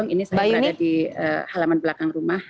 ini saya berada di halaman belakang rumah